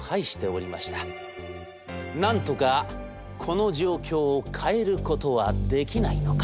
なんとかこの状況を変えることはできないのか。